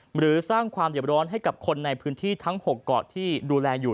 หรือสร้างความเด็บร้อนให้กับคนในพื้นที่ทั้ง๖เกาะที่ดูแลอยู่